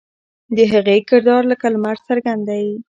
د هغې کردار لکه لمر څرګند دی.